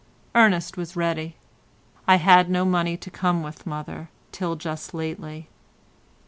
Ernest was ready. "I had no money to come with, mother, till just lately."